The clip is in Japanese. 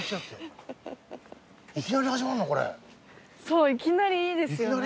そういきなりですよね。